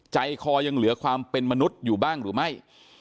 ใจคอยังเหลือความเป็นมนุษย์อยู่บ้างหรือไม่